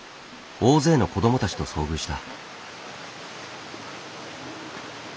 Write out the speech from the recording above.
大勢の子どもたちと遭遇した。